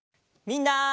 みんな！